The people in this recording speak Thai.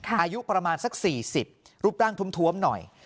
อายุประมาณสัก๔๐รูปร่างท้วมหน่อย